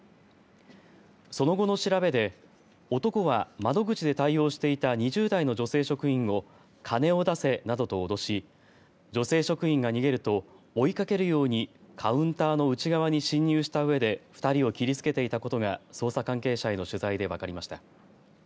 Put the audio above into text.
その後の調べで男は窓口で対応していた２０代の女性職員を金を出せなどとおどし女性職員が逃げると追いかけるようにカウンターの内側に侵入したうえで２人を切りつけていたことが捜査関係者への取材で分かりました。